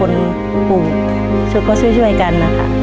ปู่ชุดก็ช่วยกันนะคะ